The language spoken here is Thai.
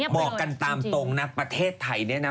บอกกันตามตรงนะประเทศไทยเนี่ยนะ